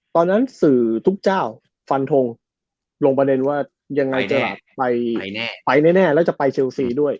สื่อทุกเจ้าฟันทงลงประเด็นว่ายังไงจะไปแน่แล้วจะไปเชลซีด้วย